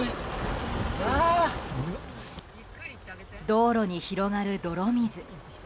道路に広がる泥水。